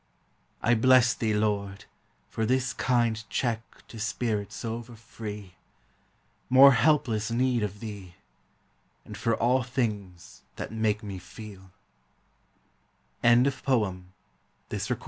I bless thee. Lord, for this kind check To spirits over free! More helpless need of thee! And for all things that make me feel FREDERICK WILLIAM FABER.